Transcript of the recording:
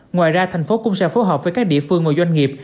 ngoài ra thành phố cũng sẽ phối hợp với các địa phương và doanh nghiệp